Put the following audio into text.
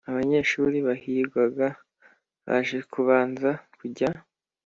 Abanyeshuri bahigwaga baje babanza kujya